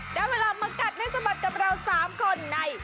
แล้วเวลามากัดตามเรียนทีส่วนตามเรากับเรา๓๓คนใน